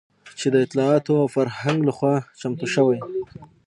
چې د اطلاعاتو او فرهنګ لخوا چمتو شوى